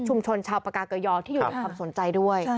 ชุมชนชาวประกาศเกอร์ยอร์ที่หยุดความสนใจด้วย